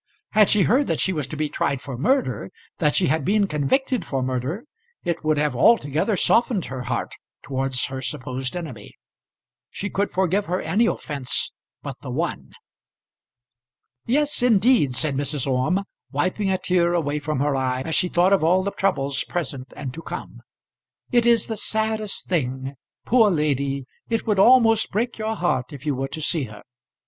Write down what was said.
Had she heard that she was to be tried for murder, that she had been convicted for murder, it would have altogether softened her heart towards her supposed enemy. She could forgive her any offence but the one. "Yes indeed," said Mrs. Orme, wiping a tear away from her eye as she thought of all the troubles present and to come. "It is the saddest thing. Poor lady! It would almost break your heart if you were to see her.